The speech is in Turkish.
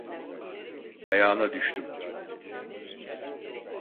Ayağına düştüm: